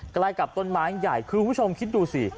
ใกล้กับต้นไม้ใหญ่คุณผู้ชมคิดดูสิ